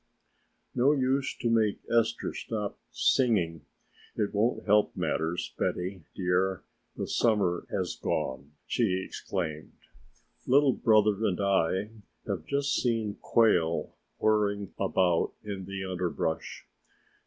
"No use to make Esther stop singing, it won't help matters, Betty, dear, the summer has gone," she exclaimed. "Little Brother and I have just seen quail whirring about in the underbrush.